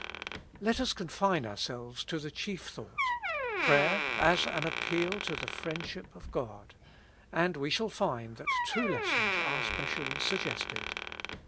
Let us confine ourselves to the chief thought; prayer as an appeal to the friendship of God ; and we shall find that two lessons are specially suggested.